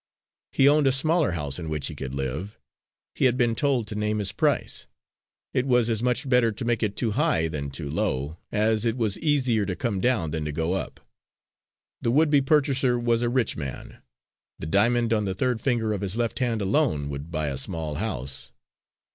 He owned a smaller house in which he could live. He had been told to name his price; it was as much better to make it too high than too low, as it was easier to come down than to go up. The would be purchaser was a rich man; the diamond on the third finger of his left hand alone would buy a small house.